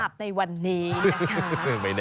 มีลาบในวันนี้นะคะ